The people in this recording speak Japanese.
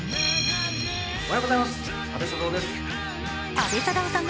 阿部サダヲです。